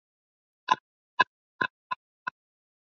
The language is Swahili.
Alizokuwa akisema ikiwemo tamko au maneno yoyote